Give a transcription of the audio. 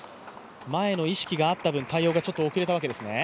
前の意識があった分、対応が少し遅れたわけですね。